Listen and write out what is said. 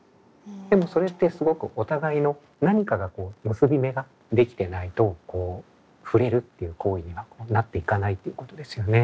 でもそれってすごくお互いの何かが結び目が出来てないとふれるっていう行為にはなっていかないっていうことですよね。